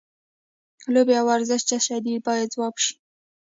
لوبې او ورزش څه شی دی باید ځواب شي.